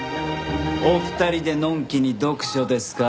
お二人でのんきに読書ですか？